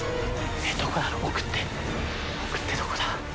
奥ってどこだ？